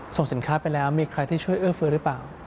ส่งสินค้าไปแล้วมีใครที่ช่วยเอื้อเฟื้อหรือเปล่า